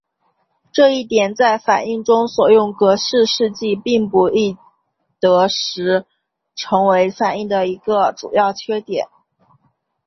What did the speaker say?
这一点在反应中所用格氏试剂并不易得时成为反应的一个主要缺点。